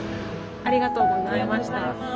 ありがとうございます。